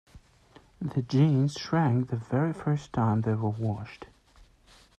The jeans shrank the very first time they were washed.